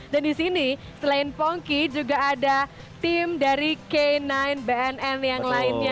dan di sini selain pongki juga ada tim dari k sembilan bnn yang lainnya